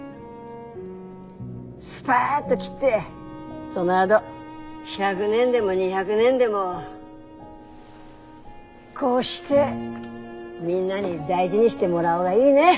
スパッと切ってそのあど１００年でも２００年でもこうしてみんなに大事にしてもらう方がいいね。